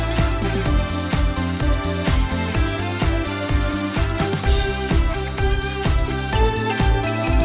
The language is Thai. สำนักข่าวออนไลน์